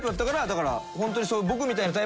だからホントに。